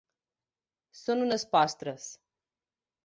Són unes postres.